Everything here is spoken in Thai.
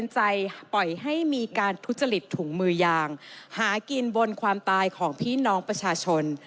ใจปล่อยให้มีการทุจริตถุงมือยางหากินบนความตายของพี่น้องประชาชน